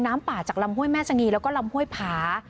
น้ำป่าจากลำห้วยแม่สงีแล้วก็ลำห้วยผา